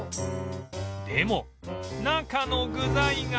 でも中の具材が